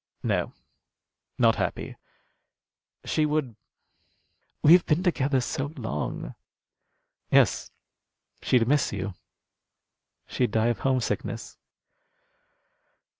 "No, not happy. She would We have been together so long." "Yes, she'd miss you. She'd die of homesickness.